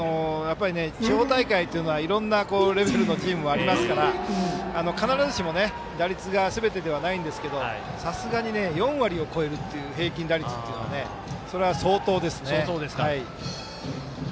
地方大会というのはいろんなレベルのチームがありますから必ずしも打率がすべてではないんですがさすがにね４割を超える平均打率というのは相当ですね。